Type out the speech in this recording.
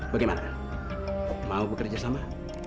bagaimana mau bekerja sama